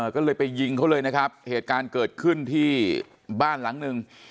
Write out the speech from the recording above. ก็เลยไปยิงเขาเลยนะครับเหตุการณ์เกิดขึ้นที่บ้านหลังหนึ่ง